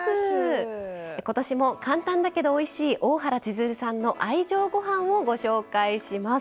今年も簡単だけどおいしい大原千鶴さんの愛情ごはんをご紹介します。